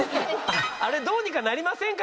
「あれどうにかなりませんか？」